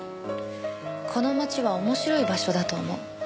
この町は面白い場所だと思う。